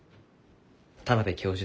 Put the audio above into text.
田邊教授